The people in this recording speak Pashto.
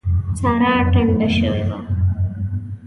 سارا ټنډه شوې ده.